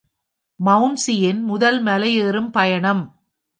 Mount சி யின் முதல் மலை ஏறும் பயணம்.